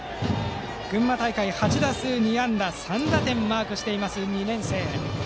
群馬大会８打数２安打３打点をマークしている２年生。